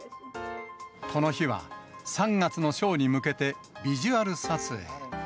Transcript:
この日は、３月のショーに向けてビジュアル撮影。